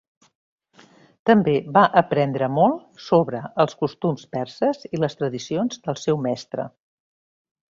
També va aprendre molt sobre els costums perses i les tradicions del seu mestre.